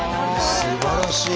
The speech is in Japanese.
すばらしい！